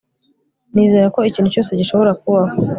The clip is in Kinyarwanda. Nizera ko ikintu cyose gishobora kubaho